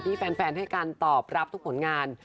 แฟนให้การตอบรับทุกผลงาน